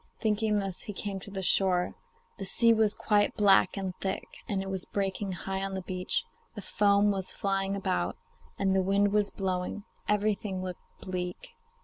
Thinking this he came to the shore. The sea was quite black and thick, and it was breaking high on the beach; the foam was flying about, and the wind was blowing; everything looked bleak.